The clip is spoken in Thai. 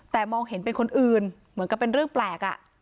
แต่มองเห็นเป็นคนอื่นเหมือนกับเป็นเรื่องแปลก